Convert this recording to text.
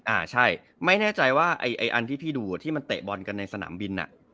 อ่าใช่ไม่แน่ใจว่าไอ้อันที่พี่ดูที่มันเตะบอลกันในสนามบินอ่ะ